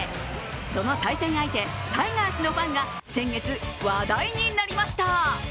その対戦相手、タイガースのファンが先月話題になりました。